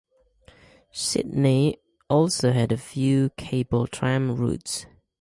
Sydney also had a few cable tram routes.